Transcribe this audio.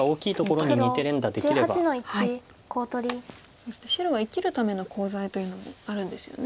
そして白は生きるためのコウ材というのもあるんですよね。